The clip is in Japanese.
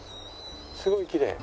すごいきれい。